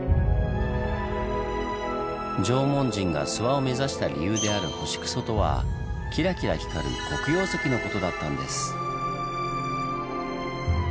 縄文人が諏訪を目指した理由である星糞とはキラキラ光る黒曜石のことだったんです。